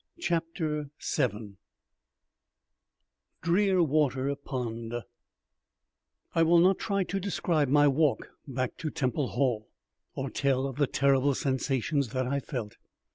CHAPTER VII DREARWATER POND I will not try to describe my walk back to Temple Hall, or tell of the terrible sensations that I felt.